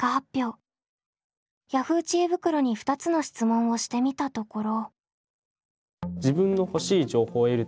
Ｙａｈｏｏ！知恵袋に２つの質問をしてみたところ。